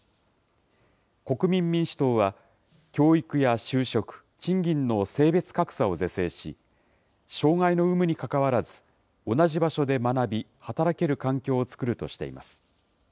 国民民主党は、教育や就職、賃金の性別格差を是正し、障害の有無にかかわらず、同じ場所で学び、働ける環境を作るとしています。